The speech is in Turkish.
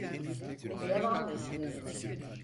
Devam etti.